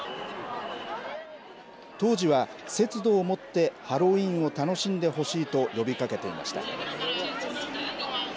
当時は節度を持ってハロウィーンを楽しんでほしいと呼びかけていました。